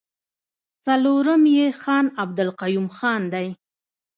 څلورم يې خان عبدالقيوم خان دی.